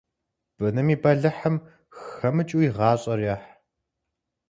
Быным и бэлыхьым хэмыкӀыу и гъащӀэр ехь.